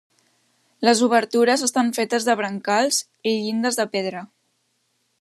Les obertures estan fetes de brancals i llindes de pedra.